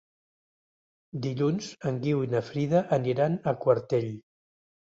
Dilluns en Guiu i na Frida aniran a Quartell.